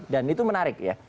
dan itu menarik ya